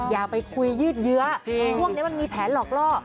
อย่าไปคุยยืดเยื้อช่วงนี้มันมีแผนหลอกล่อ